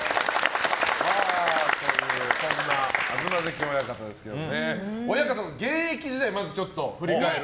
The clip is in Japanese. そんな東関親方ですけどね親方の現役時代を振り返る